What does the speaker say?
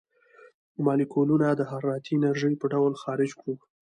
مالیکولونه د حرارتي انرژۍ په ډول خارج کړو.